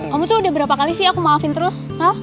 kamu tuh udah berapa kali sih aku maafin terus